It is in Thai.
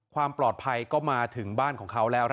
ความปลอดภัยก็มาถึงบ้านของเขาแล้ว